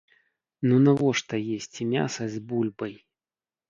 Ну навошта есці мяса з бульбай?